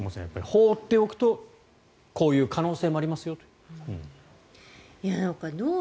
放っておくとこういう可能性もありますよという。